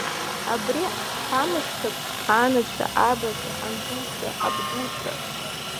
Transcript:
Абри ҳхамышҭып анацәа, абацәа, андуцәа, абдуцәа.